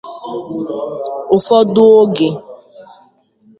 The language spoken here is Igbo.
Ụfọdụ oge